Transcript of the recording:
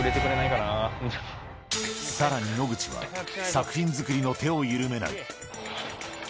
さらに野口は、作品作りの手を緩めない。